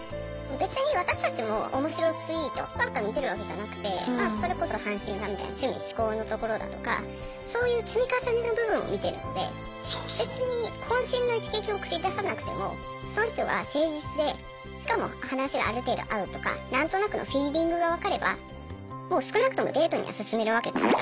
別に私たちもオモシロツイートばっか見てるわけじゃなくてまあそれこそ阪神ファンみたいな趣味嗜好のところだとかそういう積み重ねの部分を見てるので別に渾身の一撃を繰り出さなくてもその人が誠実でしかも話がある程度合うとか何となくのフィーリングが分かればもう少なくともデートには進めるわけですから。